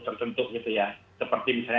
tertentu gitu ya seperti misalnya